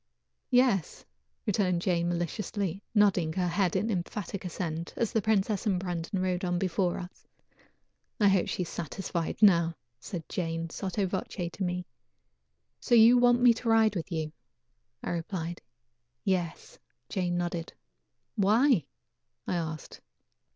"Yes," returned Jane maliciously, nodding her head in emphatic assent, as the princess and Brandon rode on before us. "I hope she is satisfied now," said Jane sotto voce to me. "So you want me to ride with you?" I replied. "Yes," nodded Jane. "Why?" I asked.